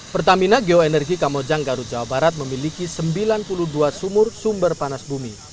pertamina geoenergi kamojang garut jawa barat memiliki sembilan puluh dua sumur sumber panas bumi